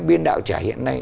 biên đạo trẻ hiện nay